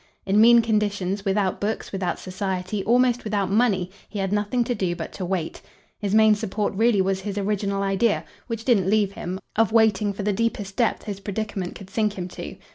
In mean conditions, without books, without society, almost without money, he had nothing to do but to wait. His main support really was his original idea, which didn't leave him, of waiting for the deepest depth his predicament could sink him to.